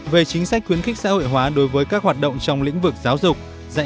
về chính sách khuyến khích xã hội hóa đối với các hoạt động trong lĩnh vực giáo dục